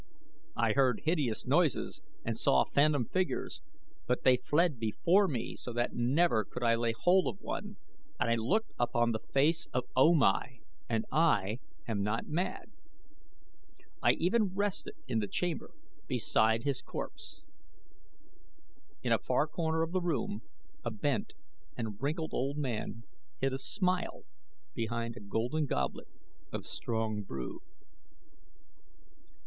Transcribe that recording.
"I heard hideous noises and saw phantom figures; but they fled before me so that never could I lay hold of one, and I looked upon the face of O Mai and I am not mad. I even rested in the chamber beside his corpse." In a far corner of the room a bent and wrinkled old man hid a smile behind a golden goblet of strong brew.